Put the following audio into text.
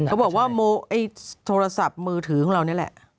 เค้าบอกว่าโทรศัพท์มือถือเหล่านั่นแหละ